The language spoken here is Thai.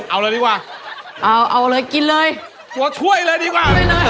เอาเลยดีกว่าเอาเอาเลยกินเลยตัวช่วยเลยดีกว่าไปเลย